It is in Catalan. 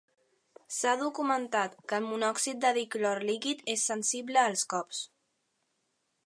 S'ha documentat que el monòxid de di-clor líquid és sensible als cops.